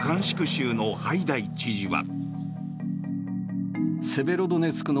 州のハイダイ知事は。